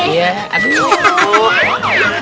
waalaikumsalam pak d